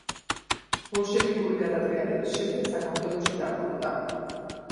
ბოლშევიკური გადატრიალების შემდეგ საქართველოში დაბრუნდა.